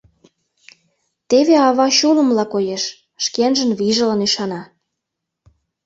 Теве ава чулымла коеш, шкенжын вийжылан ӱшана.